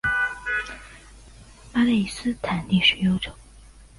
巴勒斯坦历史悠久。